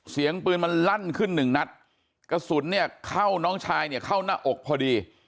เสียงปืนมันลั่นขึ้น๑นัดกระสุนเข้าน้องชายเข้าหน้าอกพอดี